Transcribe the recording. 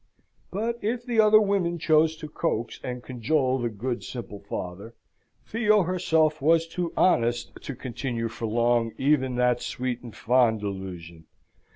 But, if the other women chose to coax and cajole the good, simple father, Theo herself was too honest to continue for long even that sweet and fond delusion.